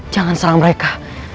jangan serang mereka